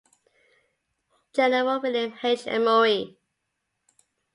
General William H. Emory.